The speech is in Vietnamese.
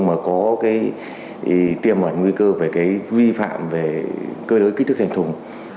mà có cái tiềm mở nguy cơ về cái vi phạm về cơ lưới kích thước thành thùng